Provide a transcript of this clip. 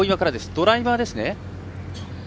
ドライバーですね。